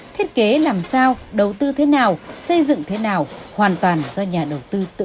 thiết kế làm sao đầu tư thế nào xây dựng thế nào hoàn toàn do nhà đầu tư tự